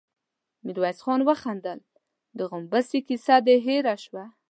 ميرويس خان وخندل: د غومبسې کيسه دې هېره شوه؟